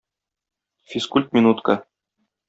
Физкультминутка.